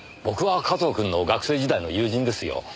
僕は加藤君の学生時代の友人ですよ。